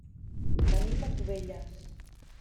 Venim de Cubelles.